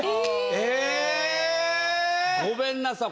ええ⁉「ごめんなさい」